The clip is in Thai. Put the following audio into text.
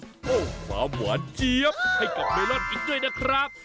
โอ้โหความหวานเจี๊ยบให้กับเมลอนอีกด้วยนะครับ